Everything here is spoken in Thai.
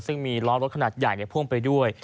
ซึ่งมีล้อรถขนาดใหญ่พ่วงไปด้วย